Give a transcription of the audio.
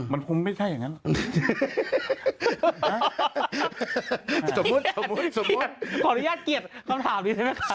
ขออนุญาตเกียรติคำถามหนิท่าน